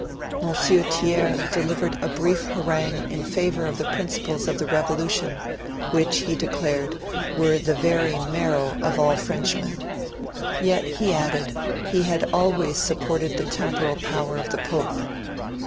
M. Thiers delivered a brief harangue in favour of the principles of the Revolution, which, he declared, were the very marrow of all Frenchmen; yet, he added, he had always supported the Temporal Power of the Pope.